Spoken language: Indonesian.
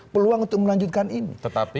peluang untuk melanjutkan ini